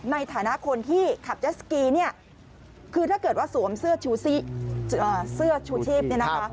ในฐานะคนที่ขับจะสกีเนี่ยคือถ้าเกิดว่าสวมเสื้อชูชีพ